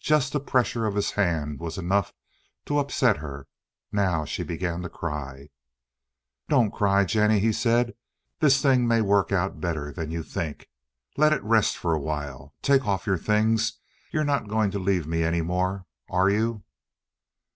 Just the pressure of his hand was enough to upset her. Now she began to cry. "Don't cry, Jennie," he said. "This thing may work out better than you think. Let it rest for a while. Take off your things. You're not going to leave me any more, are you?"